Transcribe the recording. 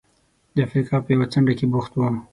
د افریقا په یوه څنډه کې بوخت و.